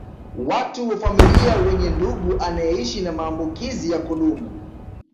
Watu wa familia wenye ndugu anayeishi na maambukizi ya kudumu